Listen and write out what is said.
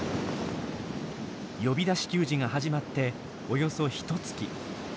呼び出し給餌が始まっておよそひとつき。